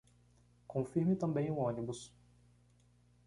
Confirme também o ônibus